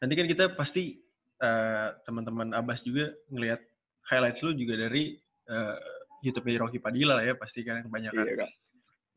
nanti kan kita pasti temen temen abbas juga ngeliat highlights lu juga dari youtube nya rocky padilla ya pasti kan kebanyakan